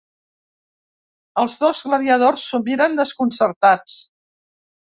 Els dos gladiadors s'ho miren, desconcertats.